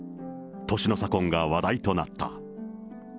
年の差婚が話題となった。